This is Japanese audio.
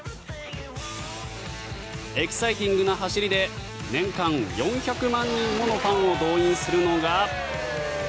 エキサイティングな走りで年間４００万人ものファンを動員するのが。